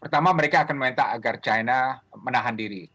pertama mereka akan meminta agar china menahan diri